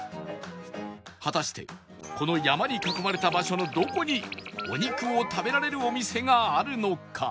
果たしてこの山に囲まれた場所のどこにお肉を食べられるお店があるのか？